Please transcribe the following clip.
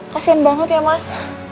kasian banget ya mas